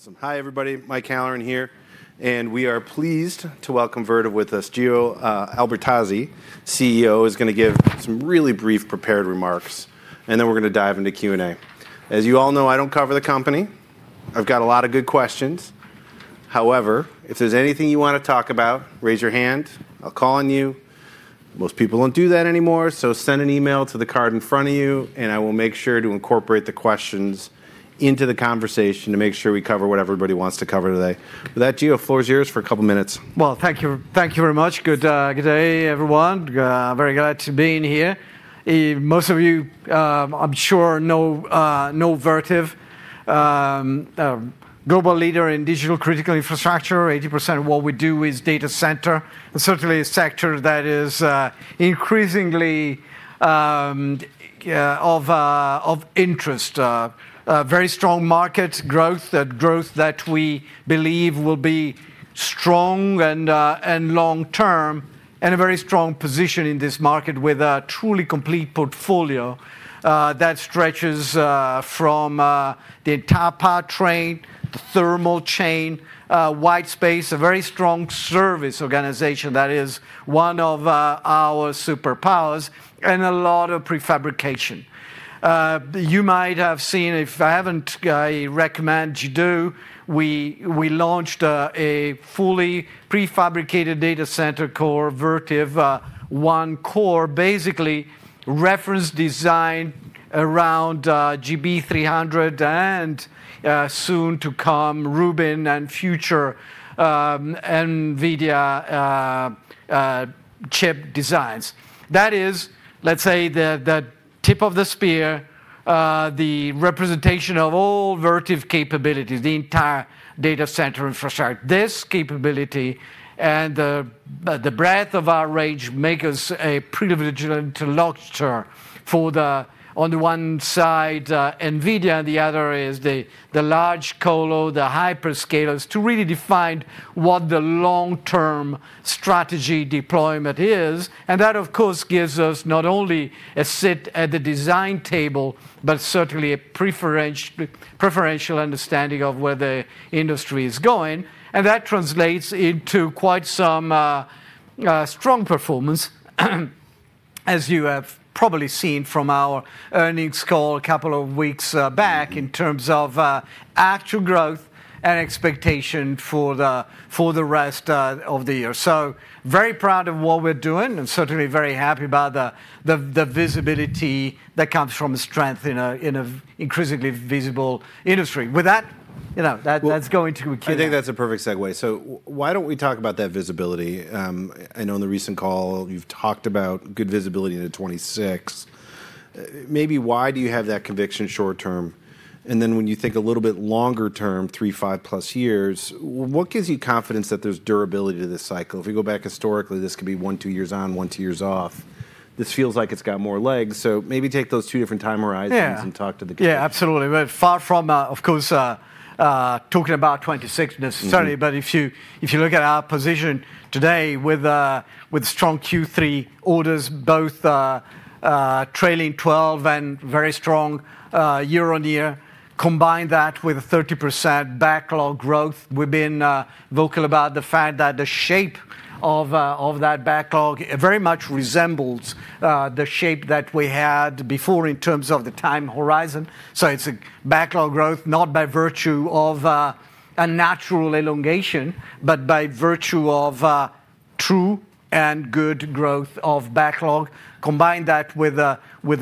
Awesome. Hi, everybody. Mike Halloran here, and we are pleased to welcome Vertiv with us. Gio Albertazzi, CEO, is going to give some really brief, prepared remarks, and then we're going to dive into Q&A. As you all know, I don't cover the company. I've got a lot of good questions. However, if there's anything you want to talk about, raise your hand. I'll call on you. Most people don't do that anymore, so send an email to the card in front of you, and I will make sure to incorporate the questions into the conversation to make sure we cover what everybody wants to cover today. With that, Gio, the floor is yours for a couple of minutes. Thank you very much. Good day, everyone. Very glad to be here. Most of you, I'm sure, know Vertiv, a global leader in digital critical infrastructure. 80% of what we do is data center, certainly a sector that is increasingly of interest. Very strong market growth, that growth that we believe will be strong and long-term, and a very strong position in this market with a truly complete portfolio that stretches from the entire power train, the thermal chain, white space, a very strong service organization that is one of our superpowers, and a lot of prefabrication. You might have seen, if I haven't, I recommend you do, we launched a fully prefabricated data center core, Vertiv One Core, basically reference design around GB300 and soon to come Rubin and future NVIDIA chip designs. That is, let's say, the tip of the spear, the representation of all Vertiv capabilities, the entire data center infrastructure. This capability and the breadth of our range make us a privileged interlocutor for, on the one side, NVIDIA, and the other is the large colo, the hyperscalers, to really define what the long-term strategy deployment is. That, of course, gives us not only a seat at the design table, but certainly a preferential understanding of where the industry is going. That translates into quite some strong performance, as you have probably seen from our earnings call a couple of weeks back, in terms of actual growth and expectation for the rest of the year. I am very proud of what we're doing and certainly very happy about the visibility that comes from strength in an increasingly visible industry. With that, that's going to a Q&A. I think that's a perfect segue. Why don't we talk about that visibility? I know in the recent call, you've talked about good visibility into 2026. Maybe why do you have that conviction short term? When you think a little bit longer term, three, five plus years, what gives you confidence that there's durability to this cycle? If we go back historically, this could be one, two years on, one, two years off. This feels like it's got more legs. Maybe take those two different time horizons and talk to the guy. Yeah, absolutely. Far from, of course, talking about 2026 necessarily, but if you look at our position today with strong Q3 orders, both trailing twelve and very strong year on year, combine that with a 30% backlog growth, we've been vocal about the fact that the shape of that backlog very much resembles the shape that we had before in terms of the time horizon. So it's a backlog growth, not by virtue of a natural elongation, but by virtue of true and good growth of backlog. Combine that with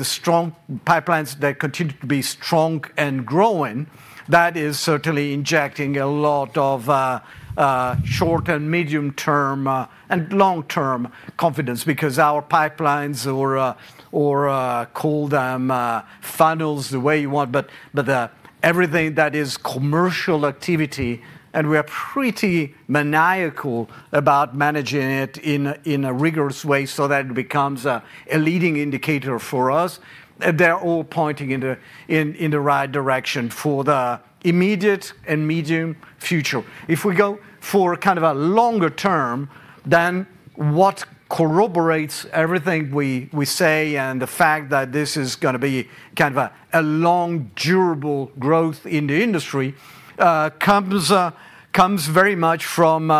strong pipelines that continue to be strong and growing. That is certainly injecting a lot of short and medium term and long term confidence because our pipelines, or call them funnels, the way you want, but everything that is commercial activity, and we are pretty maniacal about managing it in a rigorous way so that it becomes a leading indicator for us. They are all pointing in the right direction for the immediate and medium future. If we go for kind of a longer term, then what corroborates everything we say and the fact that this is going to be kind of a long, durable growth in the industry comes very much from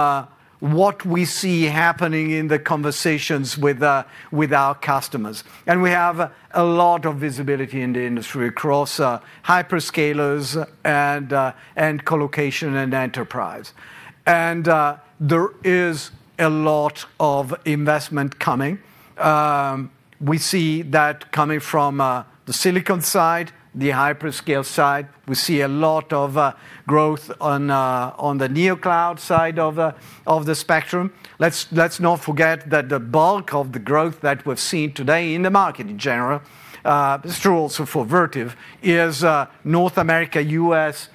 what we see happening in the conversations with our customers. We have a lot of visibility in the industry across hyperscalers and colocation and enterprise. There is a lot of investment coming. We see that coming from the silicon side, the hyperscale side. We see a lot of growth on the neocloud side of the spectrum. Let's not forget that the bulk of the growth that we've seen today in the market in general, it's true also for Vertiv, is North America, U.S.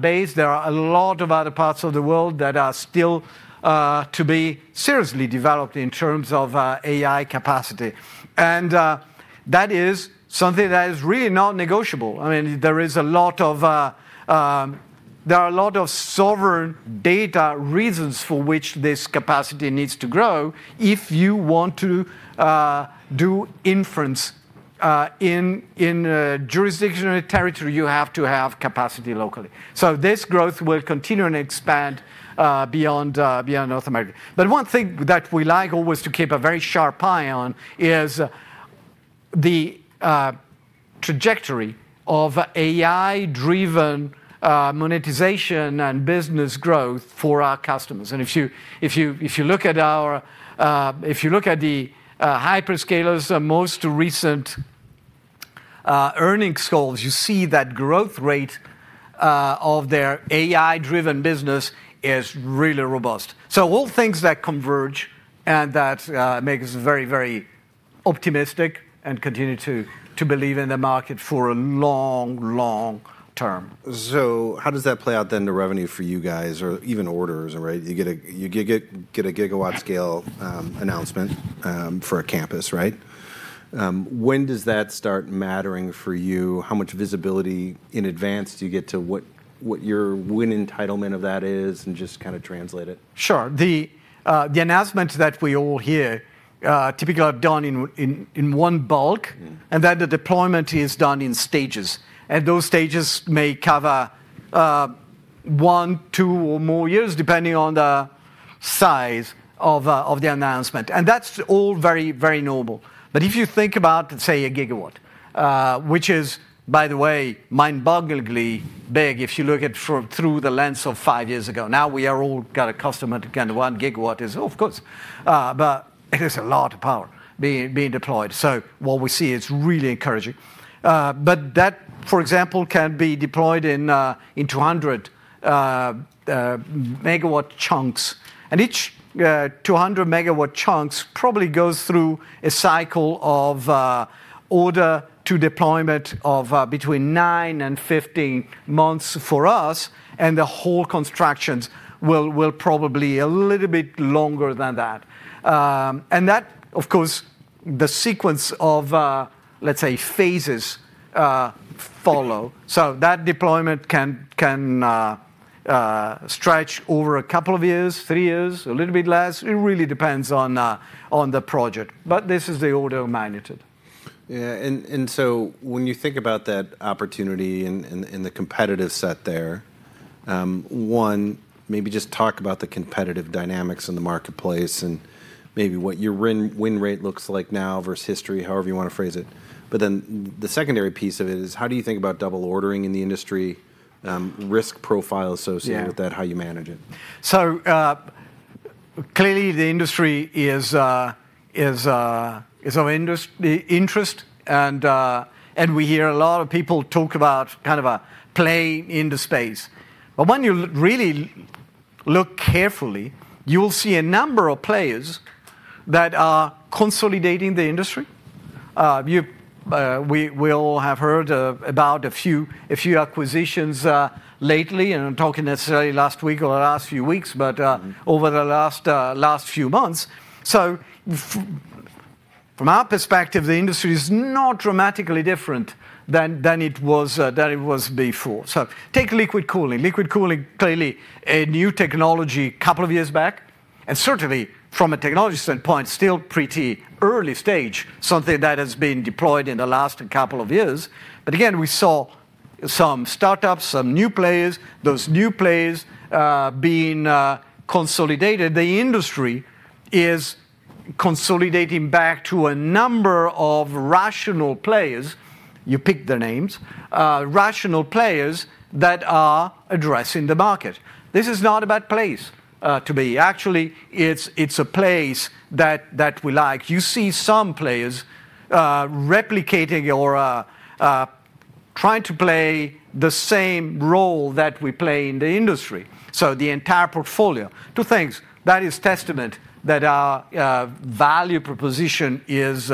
based. There are a lot of other parts of the world that are still to be seriously developed in terms of AI capacity. That is something that is really not negotiable. I mean, there are a lot of sovereign data reasons for which this capacity needs to grow. If you want to do inference in jurisdictional territory, you have to have capacity locally. This growth will continue and expand beyond North America. One thing that we like always to keep a very sharp eye on is the trajectory of AI-driven monetization and business growth for our customers. If you look at our, if you look at the hyperscalers' most recent earnings goals, you see that growth rate of their AI-driven business is really robust. All things that converge and that make us very, very optimistic and continue to believe in the market for a long, long term. How does that play out then to revenue for you guys or even orders? You get a gigawatt scale announcement for a campus, right? When does that start mattering for you? How much visibility in advance do you get to what your win entitlement of that is and just kind of translate it? Sure. The announcement that we all hear typically are done in one bulk and that the deployment is done in stages. Those stages may cover one, two or more years depending on the size of the announcement. That is all very, very noble. If you think about, say, 1 GW, which is, by the way, mind-bogglingly big if you look at it through the lens of five years ago. Now we are all kind of accustomed to kind of 1 GW is, of course, but it is a lot of power being deployed. What we see is really encouraging. That, for example, can be deployed in 200 MW chunks. Each 200 MW chunk probably goes through a cycle of order to deployment of between nine and 15 months for us, and the whole construction will probably be a little bit longer than that. Of course, the sequence of, let's say, phases follow. That deployment can stretch over a couple of years, three years, a little bit less. It really depends on the project, but this is the order of magnitude. Yeah. When you think about that opportunity and the competitive set there, one, maybe just talk about the competitive dynamics in the marketplace and maybe what your win rate looks like now versus history, however you want to phrase it. The secondary piece of it is how do you think about double ordering in the industry, risk profile associated with that, how you manage it? Clearly the industry is of interest, and we hear a lot of people talk about kind of a play in the space. When you really look carefully, you'll see a number of players that are consolidating the industry. We all have heard about a few acquisitions lately, and I'm not talking necessarily last week or the last few weeks, but over the last few months. From our perspective, the industry is not dramatically different than it was before. Take liquid cooling. Liquid cooling, clearly a new technology a couple of years back, and certainly from a technology standpoint, still pretty early stage, something that has been deployed in the last couple of years. Again, we saw some startups, some new players, those new players being consolidated. The industry is consolidating back to a number of rational players, you pick the names, rational players that are addressing the market. This is not a bad place to be. Actually, it's a place that we like. You see some players replicating or trying to play the same role that we play in the industry. The entire portfolio, two things. That is testament that our value proposition is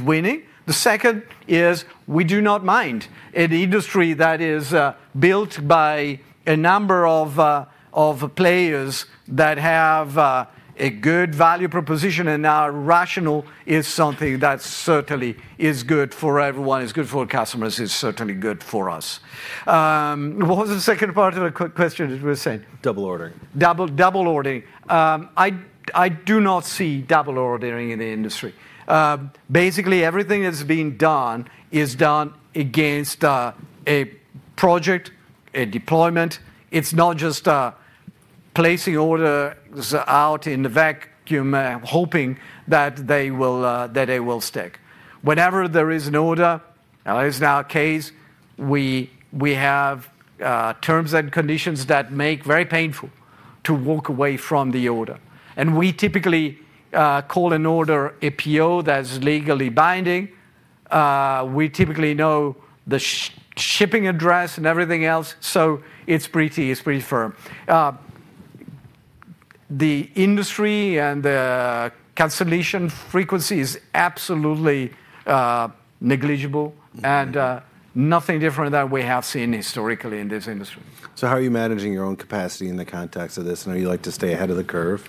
winning. The second is we do not mind. An industry that is built by a number of players that have a good value proposition and are rational is something that certainly is good for everyone. It's good for customers. It's certainly good for us. What was the second part of the question you were saying? Double ordering. Double ordering. I do not see double ordering in the industry. Basically, everything that's being done is done against a project, a deployment. It's not just placing orders out in the vacuum and hoping that they will stick. Whenever there is an order, as now a case, we have terms and conditions that make it very painful to walk away from the order. We typically call an order a PO that's legally binding. We typically know the shipping address and everything else. It's pretty firm. The industry and the cancellation frequency is absolutely negligible and nothing different than we have seen historically in this industry. How are you managing your own capacity in the context of this? I know you like to stay ahead of the curve,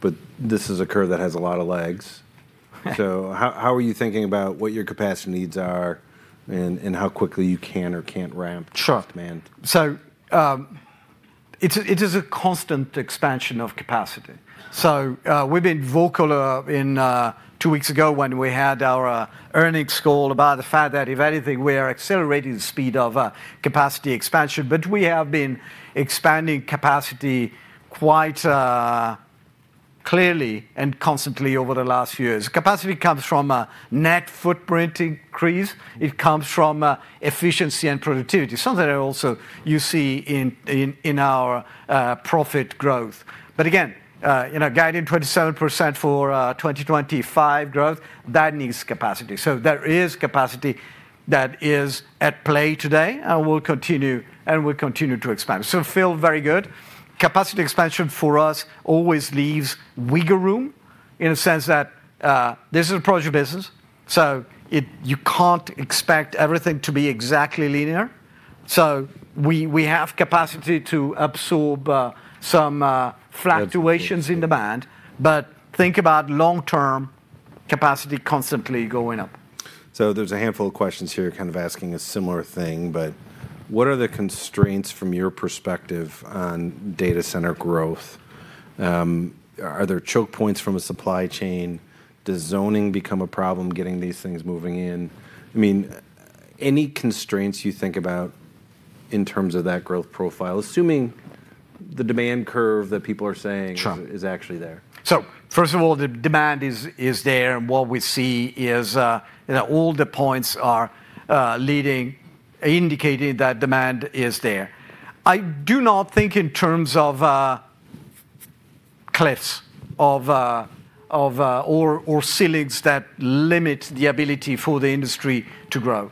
but this is a curve that has a lot of legs. How are you thinking about what your capacity needs are and how quickly you can or cannot ramp? Sure. It is a constant expansion of capacity. We have been vocal two weeks ago when we had our earnings call about the fact that, if anything, we are accelerating the speed of capacity expansion, but we have been expanding capacity quite clearly and constantly over the last years. Capacity comes from net footprint increase. It comes from efficiency and productivity, something that also you see in our profit growth. Again, guiding 27% for 2025 growth, that needs capacity. There is capacity that is at play today and will continue to expand. It feels very good. Capacity expansion for us always leaves wiggle room in a sense that this is a project business, so you cannot expect everything to be exactly linear. We have capacity to absorb some fluctuations in demand, but think about long-term capacity constantly going up. There's a handful of questions here kind of asking a similar thing, but what are the constraints from your perspective on data center growth? Are there choke points from a supply chain? Does zoning become a problem getting these things moving in? I mean, any constraints you think about in terms of that growth profile, assuming the demand curve that people are saying is actually there? Sure. First of all, the demand is there. What we see is all the points are leading, indicating that demand is there. I do not think in terms of cliffs or ceilings that limit the ability for the industry to grow.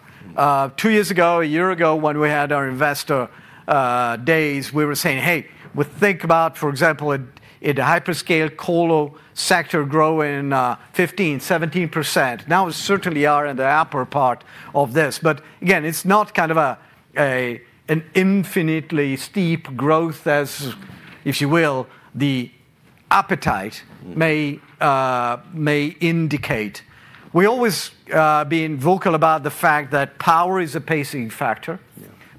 Two years ago, a year ago when we had our investor days, we were saying, hey, we think about, for example, a hyperscale colo sector growing 15-17%. Now we certainly are in the upper part of this. Again, it is not kind of an infinitely steep growth as, if you will, the appetite may indicate. We have always been vocal about the fact that power is a pacing factor,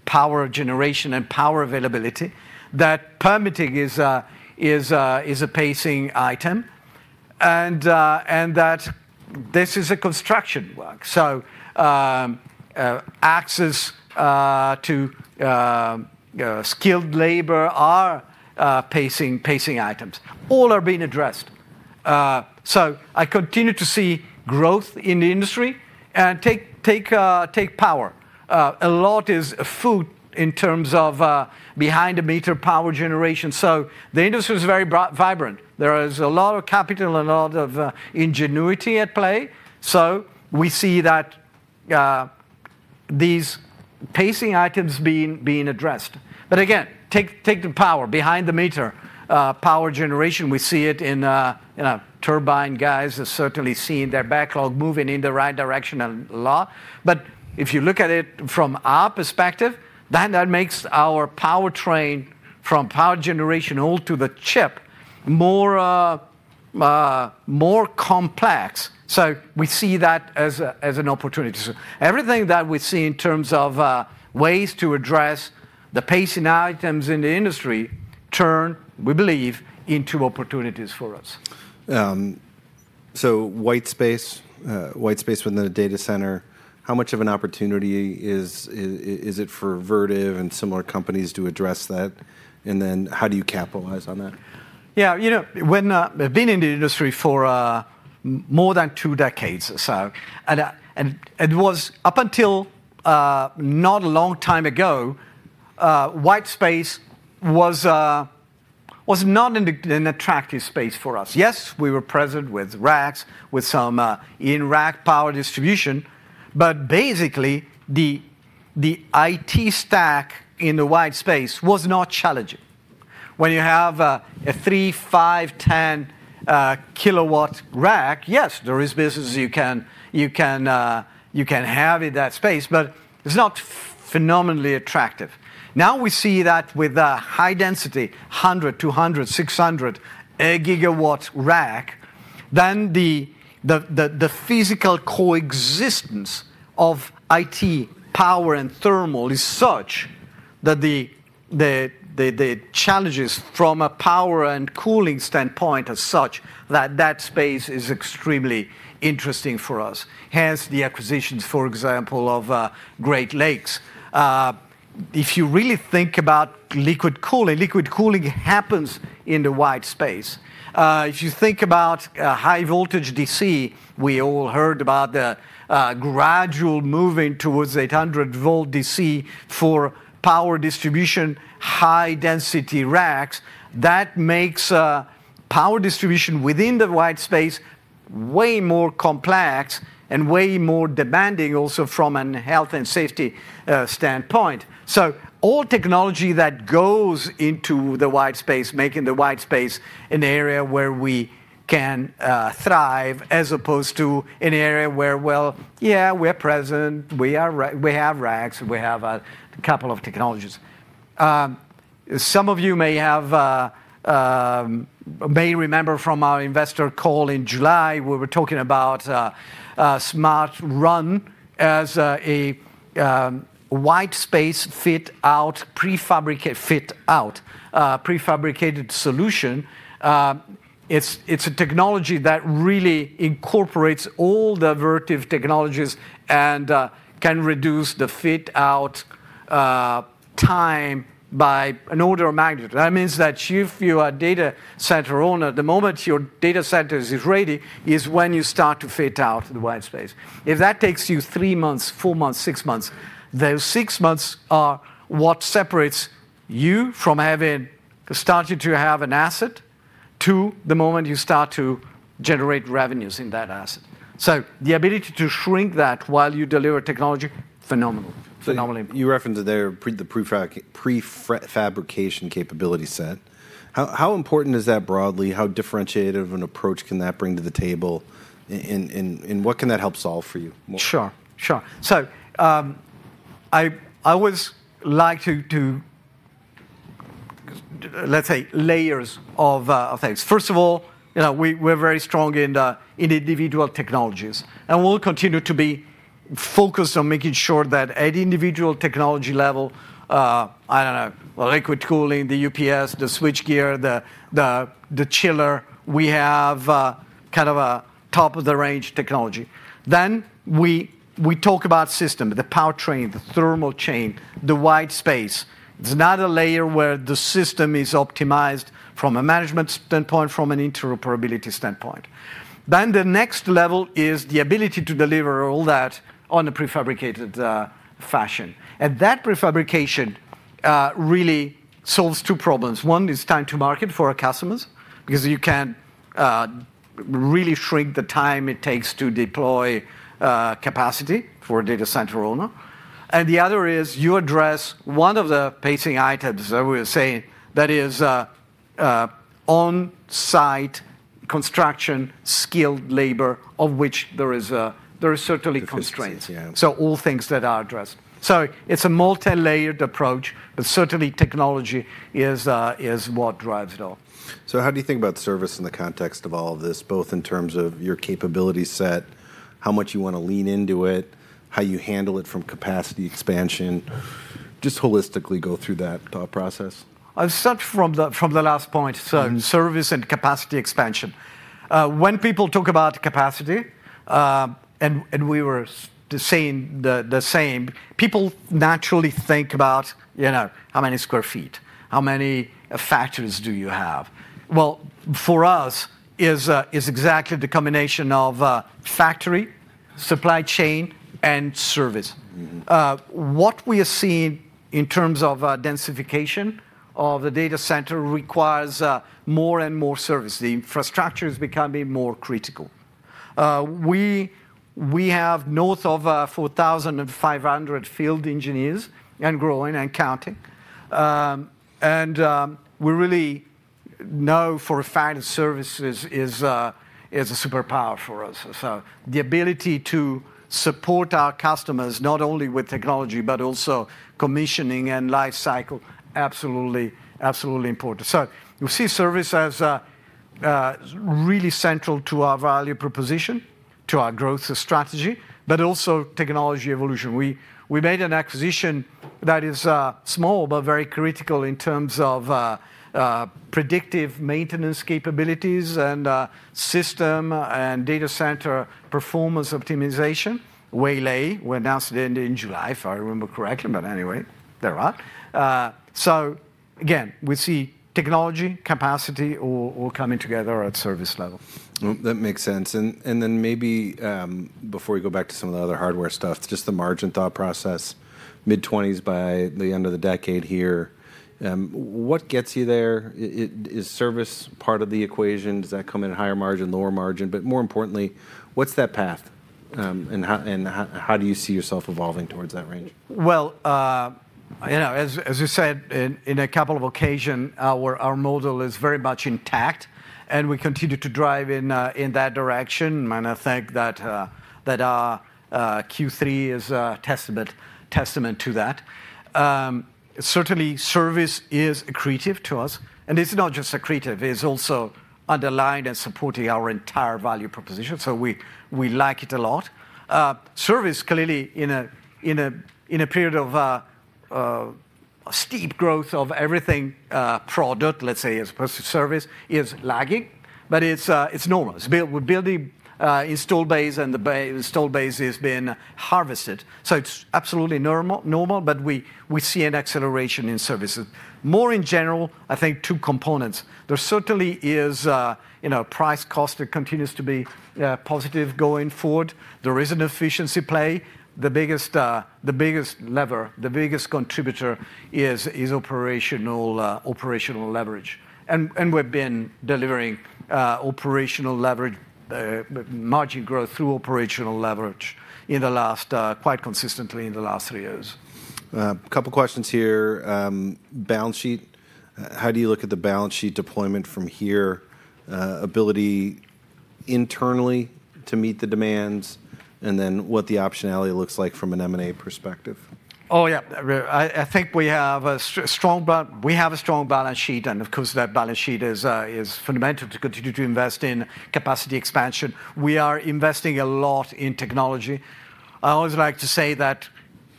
power generation and power availability, that permitting is a pacing item, and that this is a construction work. Access to skilled labor are pacing items. All are being addressed. I continue to see growth in the industry. Take power. A lot is foot in terms of behind the meter power generation. The industry is very vibrant. There is a lot of capital and a lot of ingenuity at play. We see that these pacing items are being addressed. Again, take the power behind the meter power generation. We see it in turbine guys that certainly see their backlog moving in the right direction a lot. If you look at it from our perspective, that makes our power train from power generation all to the chip more complex. We see that as an opportunity. Everything that we see in terms of ways to address the pacing items in the industry turn, we believe, into opportunities for us. White space within the data center, how much of an opportunity is it for Vertiv and similar companies to address that? How do you capitalize on that? Yeah. You know, I've been in the industry for more than two decades or so. It was up until not a long time ago, white space was not an attractive space for us. Yes, we were present with racks, with some in-rack power distribution, but basically the IT stack in the white space was not challenging. When you have a 3 kW, 5 kW, 10 kW rack, yes, there are businesses you can have in that space, but it's not phenomenally attractive. Now we see that with a high density, 100 GW, 200 GW, 600 GW rack, then the physical coexistence of IT power and thermal is such that the challenges from a power and cooling standpoint are such that that space is extremely interesting for us. Hence the acquisitions, for example, of Great Lakes. If you really think about liquid cooling, liquid cooling happens in the white space. If you think about high voltage DC, we all heard about the gradual moving towards 800 VDC for power distribution, high-density racks. That makes power distribution within the white space way more complex and way more demanding also from a health and safety standpoint. All technology that goes into the white space, making the white space an area where we can thrive as opposed to an area where, yeah, we're present, we have racks, we have a couple of technologies. Some of you may remember from our investor call in July where we were talking about Smart Run as a white space fit-out, prefabricated solution. It's a technology that really incorporates all the Vertiv technologies and can reduce the fit-out time by an order of magnitude. That means that if you are a data center owner at the moment, your data center is ready is when you start to fit out the white space. If that takes you three months, four months, six months, those six months are what separates you from starting to have an asset to the moment you start to generate revenues in that asset. The ability to shrink that while you deliver technology, phenomenal. You referenced the prefabrication capability set. How important is that broadly? How differentiative of an approach can that bring to the table? What can that help solve for you? Sure. Sure. I would like to, let's say, layers of things. First of all, we're very strong in individual technologies. We'll continue to be focused on making sure that at individual technology level, I don't know, liquid cooling, the UPS, the switch gear, the chiller, we have kind of a top of the range technology. We talk about systems, the power train, the thermal chain, the white space. It's not a layer where the system is optimized from a management standpoint, from an interoperability standpoint. The next level is the ability to deliver all that on a prefabricated fashion. That prefabrication really solves two problems. One is time to market for our customers because you can really shrink the time it takes to deploy capacity for a data center owner. The other is you address one of the pacing items that we were saying that is on-site construction, skilled labor, of which there are certainly constraints. All things that are addressed. It is a multi-layered approach, but certainly technology is what drives it all. How do you think about service in the context of all of this, both in terms of your capability set, how much you want to lean into it, how you handle it from capacity expansion? Just holistically go through that thought process. I've sucked from the last point. Service and capacity expansion. When people talk about capacity, and we were saying the same, people naturally think about how many sq ft, how many factories do you have? For us, it is exactly the combination of factory, supply chain, and service. What we are seeing in terms of densification of the data center requires more and more service. The infrastructure is becoming more critical. We have north of 4,500 field engineers and growing and counting. We really know for a fact that services is a superpower for us. The ability to support our customers not only with technology, but also commissioning and life cycle, absolutely important. You see service as really central to our value proposition, to our growth strategy, but also technology evolution. We made an acquisition that is small, but very critical in terms of predictive maintenance capabilities and system and data center performance optimization. Way late. We announced it in July, if I remember correctly, but anyway, they're out. Again, we see technology, capacity, all coming together at service level. That makes sense. Maybe before we go back to some of the other hardware stuff, just the margin thought process, mid-20s by the end of the decade here. What gets you there? Is service part of the equation? Does that come in higher margin, lower margin? More importantly, what's that path? How do you see yourself evolving towards that range? As you said, in a couple of occasions, our model is very much intact, and we continue to drive in that direction. I think that Q3 is a testament to that. Certainly, service is accretive to us. It is not just accretive. It is also underlying and supporting our entire value proposition. We like it a lot. Service, clearly, in a period of steep growth of everything product, let's say, as opposed to service, is lagging, but it is normal. We are building installed base, and the installed base has been harvested. It is absolutely normal, but we see an acceleration in services. More in general, I think two components. There certainly is price cost that continues to be positive going forward. There is an efficiency play. The biggest lever, the biggest contributor is operational leverage. We have been delivering operational leverage, margin growth through operational leverage quite consistently in the last three years. Couple of questions here. Balance sheet. How do you look at the balance sheet deployment from here? Ability internally to meet the demands? What the optionality looks like from an M&A perspective? Oh, yeah. I think we have a strong balance sheet. Of course, that balance sheet is fundamental to continue to invest in capacity expansion. We are investing a lot in technology. I always like to say that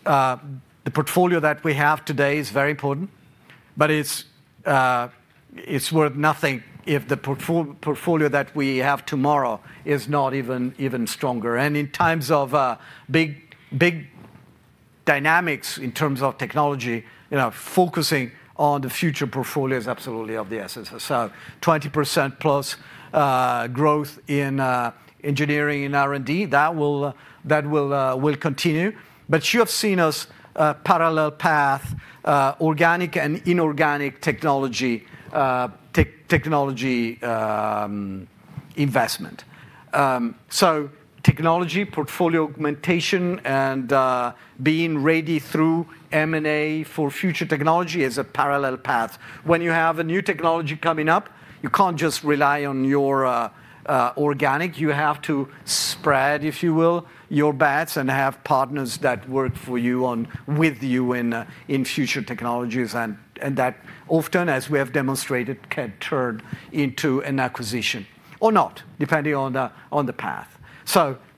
the portfolio that we have today is very important, but it's worth nothing if the portfolio that we have tomorrow is not even stronger. In times of big dynamics in terms of technology, focusing on the future portfolio is absolutely of the essence. 20%+ growth in engineering and R&D, that will continue. You have seen us parallel path, organic and inorganic technology investment. Technology, portfolio augmentation, and being ready through M&A for future technology is a parallel path. When you have a new technology coming up, you can't just rely on your organic. You have to spread, if you will, your bets and have partners that work for you with you in future technologies. That often, as we have demonstrated, can turn into an acquisition or not, depending on the path.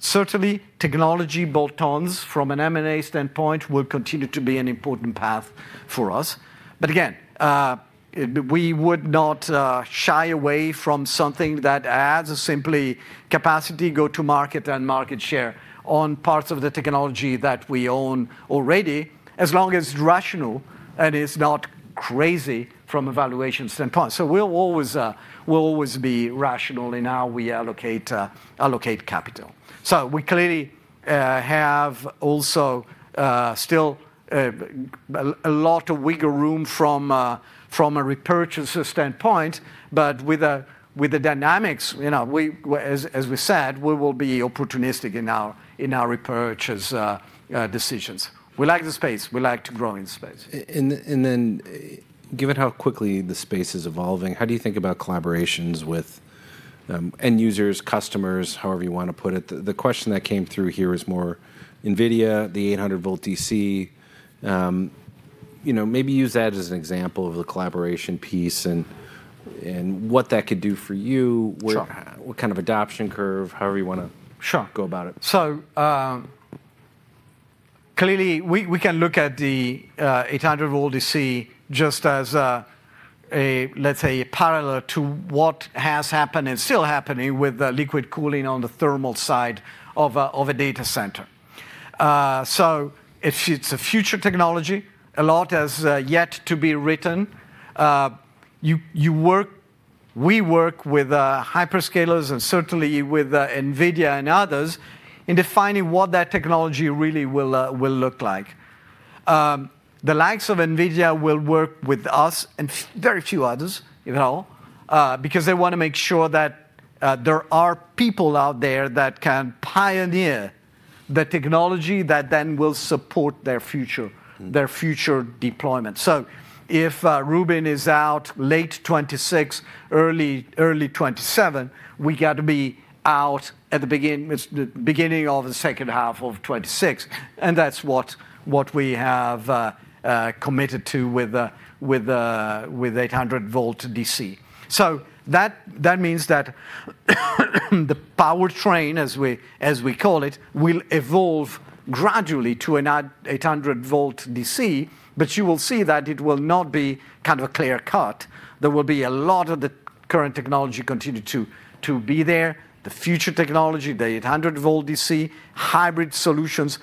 Certainly, technology bolt-ons from an M&A standpoint will continue to be an important path for us. Again, we would not shy away from something that adds simply capacity, go-to-market, and market share on parts of the technology that we own already, as long as it's rational and it's not crazy from a valuation standpoint. We'll always be rational in how we allocate capital. We clearly have also still a lot of wiggle room from a repurchase standpoint, but with the dynamics, as we said, we will be opportunistic in our repurchase decisions. We like the space. We like to grow in the space. Given how quickly the space is evolving, how do you think about collaborations with end users, customers, however you want to put it? The question that came through here is more NVIDIA, the 800 VDC. Maybe use that as an example of the collaboration piece and what that could do for you, what kind of adoption curve, however you want to go about it. Clearly, we can look at the 800 VDC just as a, let's say, parallel to what has happened and still happening with liquid cooling on the thermal side of a data center. It's a future technology. A lot has yet to be written. We work with hyperscalers and certainly with NVIDIA and others in defining what that technology really will look like. The likes of NVIDIA will work with us and very few others at all because they want to make sure that there are people out there that can pioneer the technology that then will support their future deployment. If Rubin is out late 2026, early 2027, we got to be out at the beginning of the second half of 2026. That's what we have committed to with 800 VDC. That means that the power train, as we call it, will evolve gradually to an 800 VDC, but you will see that it will not be kind of a clear cut. There will be a lot of the current technology continue to be there, the future technology, the 800 VDC, hybrid solutions.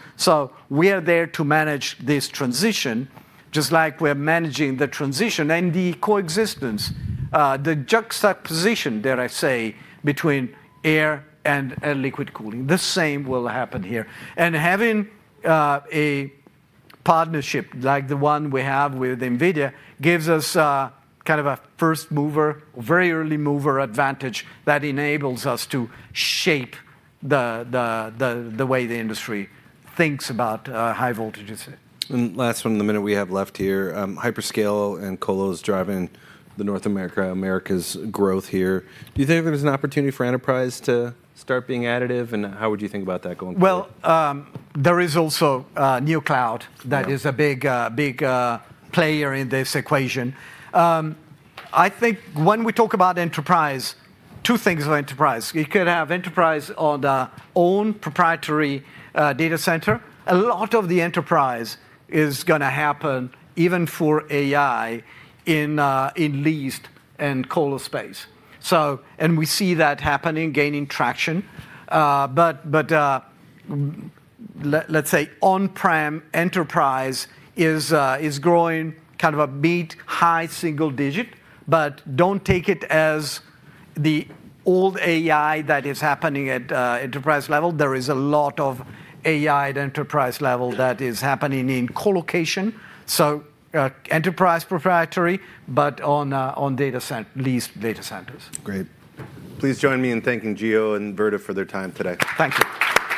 We are there to manage this transition just like we're managing the transition and the coexistence, the juxtaposition, dare I say, between air and liquid cooling. The same will happen here. Having a partnership like the one we have with NVIDIA gives us kind of a first mover, very early mover advantage that enables us to shape the way the industry thinks about high voltages. Last one, the minute we have left here, hyperscale and colocation is driving the North America growth here. Do you think there's an opportunity for enterprise to start being additive? And how would you think about that going forward? There is also new cloud that is a big player in this equation. I think when we talk about enterprise, two things about enterprise. You could have enterprise on our own proprietary data center. A lot of the enterprise is going to happen even for AI in leased and colocation space. We see that happening, gaining traction. Let's say on-prem enterprise is growing kind of a mid-high single digit, but do not take it as the old AI that is happening at enterprise level. There is a lot of AI at enterprise level that is happening in colocation. So enterprise proprietary, but on data center, leased data centers. Great. Please join me in thanking Gio and Vertiv for their time today. Thank you. Thank.